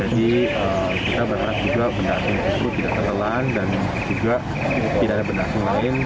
jadi kita berharap juga benda asing itu tidak terlelan dan juga tidak ada benda asing lain